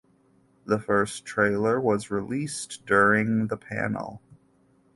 The first trailer was released during the panel.